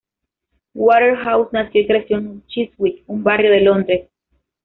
Waterhouse nació y creció en Chiswick, un barrio de Londres.